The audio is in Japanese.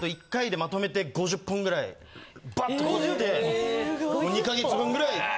１回でまとめて５０本ぐらい、ばっと撮って、２か月分ぐらい。